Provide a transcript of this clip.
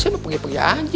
saya mau pergi pergi aja